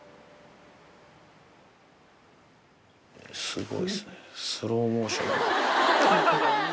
すごいですね。